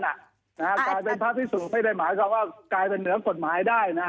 กลายเป็นพระพิสูทให้ได้หมายคือกลายเป็นเหนือกฎหมายได้